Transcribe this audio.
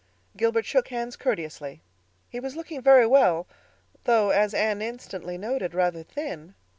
Gilbert shook hands courteously. He was looking very well, though, as Anne instantly noted, rather thin.